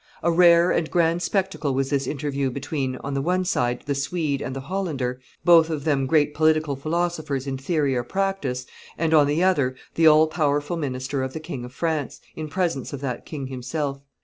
A rare and grand spectacle was this interview between, on the one side, the Swede and the Hollander, both of them great political philosophers in theory or practice, and, on the other, the all powerful minister of the King of France, in presence of that king himself.